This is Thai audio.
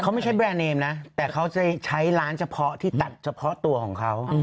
เขาไม่ใช่แบรนด์เนมนะแต่เขาจะใช้ร้านเฉพาะที่ตัดเฉพาะตัวของเขา